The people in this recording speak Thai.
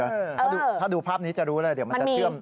ถ้าดูภาพนี้จะรู้เลยเดี๋ยวมันจะเชื่อม